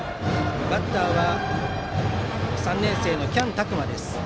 バッターは３年生の喜屋武拓真。